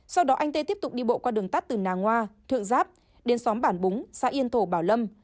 sau đó anh tê tiếp tục đi bộ qua đường tắt từ nà ngoa thượng giáp đến xóm bản búng xã yên thổ bảo lâm